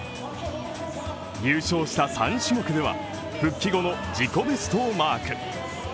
優勝した３種目では復帰後の自己ベストをマーク。